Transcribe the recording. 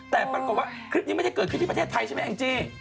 แต่ปรากฏว่าคลิปนี้ไม่ได้เกิดขึ้นที่ประเทศไทยใช่ไหมแองจี้